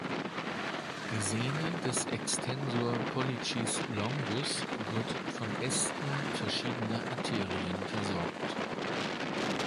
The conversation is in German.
Die Sehne des extensor pollicis longus wird von Ästen verschiedener Arterien versorgt.